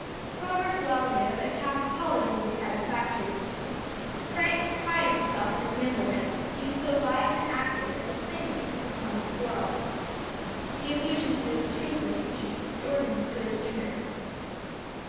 Robert well knew that this half apology would be satisfactory. Frank prided himself on his nimbleness, being so lithe and active that his playmates used to call him "squirrel." The allusion to his "twinkling" feet restored him to good humour.